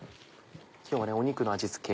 今日は肉の味付け